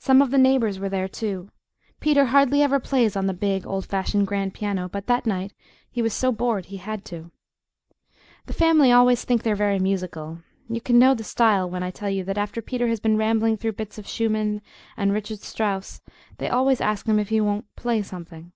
Some of the neighbors were there, too. Peter hardly ever plays on the big, old fashioned grand piano, but that night he was so bored he had to. The family always THINK they're very musical you can know the style when I tell you that after Peter has been rambling through bits from Schumann and Richard Strauss they always ask him if he won't "play something."